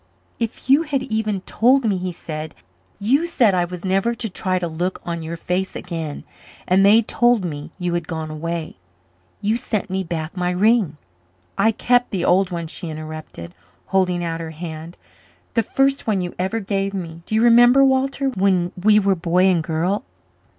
"If you had even told me," he said. "You said I was never to try to look on your face again and they told me you had gone away. You sent me back my ring." "I kept the old one," she interrupted, holding out her hand, "the first one you ever gave me do you remember, Walter? When we were boy and girl."